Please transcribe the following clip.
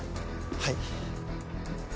はい。